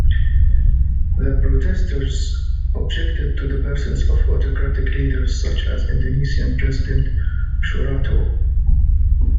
The protesters objected to the presence of autocratic leaders such as Indonesian president Suharto.